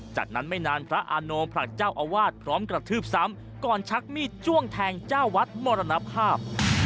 จากนั้นไม่นานพระอาโนผลักเจ้าอาวาสพร้อมกระทืบซ้ำก่อนชักมีดจ้วงแทงเจ้าวัดมรณภาพ